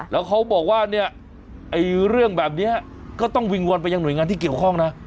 แล้วเขาบอกว่าเนี่ยเรื่องแบบนี้ก็ต้องวิงวอนไปยังหน่วยงานที่เกี่ยวข้องนะ